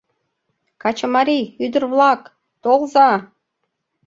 — Качымарий, ӱдыр-вла-ак, толза-а!..